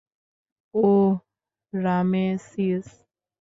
ওহ, Ramesses.